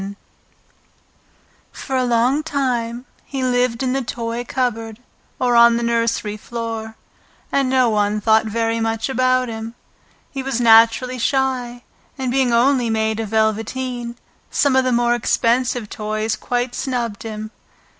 Christmas Morning For a long time he lived in the toy cupboard or on the nursery floor, and no one thought very much about him. He was naturally shy, and being only made of velveteen, some of the more expensive toys quite snubbed him.